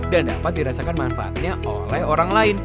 dan dapat dirasakan manfaatnya oleh orang lain